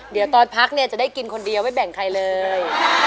เดี๋ยวตอนพักเนี่ยจะได้กินคนเดียวไม่แบ่งใครเลย